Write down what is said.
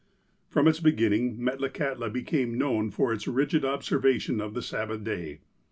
From its beginning, Metlakahtla became known for its rigid observation of the Sabbath day.